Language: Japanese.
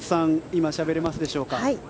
今しゃべれますでしょうか。